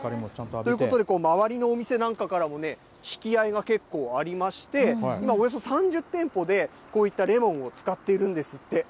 ということで、周りのお店なんかからも引き合いが結構ありまして、今、およそ３０店舗で、こういったレモンを使っているんですって。